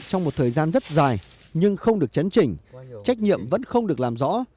trong một thời gian rất dài nhưng không được chấn chỉnh trách nhiệm vẫn không được làm rõ